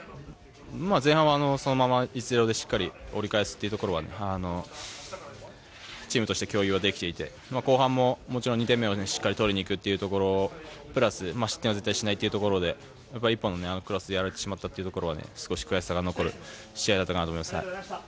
前半はそのまましっかり１−０で折り返すというところはチームとして共有できていて後半も２点目をしっかり取りにいくというところをプラス失点はしないというところで１本のクロスでやられてしまったところは少し悔しさが残る試合だったと思います。